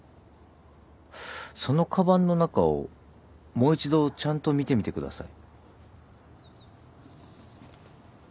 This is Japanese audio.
そのかばんの中をもう一度ちゃんと見てみてください。